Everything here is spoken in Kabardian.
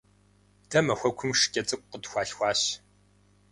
Дэ махуэкум шкӀэ цӀыкӀу къытхуалъхуащ.